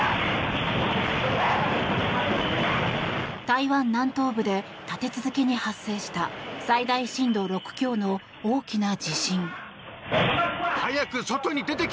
台湾南東部で立て続けに発生した最大震度６強の大きな地震。